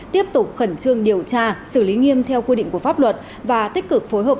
tiếp tục khẩn trương điều tra xử lý nghiêm theo quy định của pháp luật và tích cực phối hợp